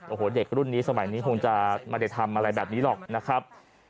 โอ้โหเด็กรุ่นนี้สมัยนี้คงจะไม่ได้ทำอะไรแบบนี้หรอกนะครับ